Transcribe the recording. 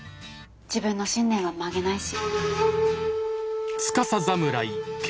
自分の信念は曲げないし。